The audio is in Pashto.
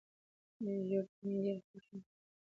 ژېړې مڼې ډېرې خوږې وي.